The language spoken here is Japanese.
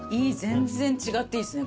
全然違っていいですね。